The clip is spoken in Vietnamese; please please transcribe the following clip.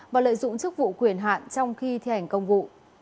và lợi dụng chức vụ quyền hạn trong khi thi hành công vụ